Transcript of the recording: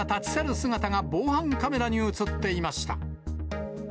姿が防犯カメラに写っていました。